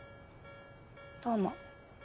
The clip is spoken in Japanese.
どうも。